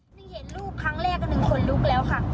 หนึ่งเห็นรูปครั้งแรกหนึ่งคนลุกแล้วค่ะ